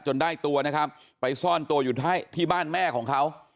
ได้ตัวนะครับไปซ่อนตัวอยู่ที่บ้านแม่ของเขา